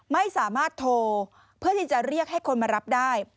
ไม่สามารถโทรเพื่อที่จะเรียกให้คนมารับได้